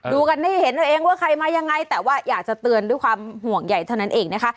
ดูกันให้เห็นเอาเองว่าใครมายังไงแต่ว่าอยากจะเตือนด้วยความห่วงใหญ่เท่านั้นเองนะคะ